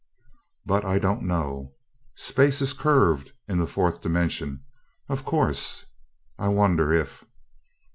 But.... I don't know.... Space is curved in the fourth dimension, of course.... I wonder if